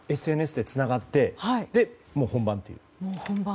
ＳＮＳでつながって本番？